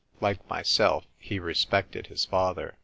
Like myself, he respected his father.